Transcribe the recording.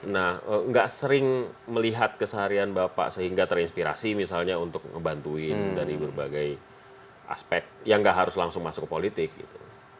nah gak sering melihat keseharian bapak sehingga terinspirasi misalnya untuk ngebantuin dari berbagai aspek yang gak harus langsung masuk ke politik gitu